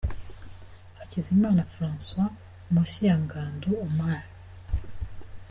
Hakizimana Francois munsi ya Ngandou Omar.